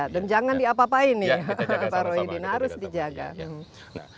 dan jangan diapapain nih pak royudin harus dijaga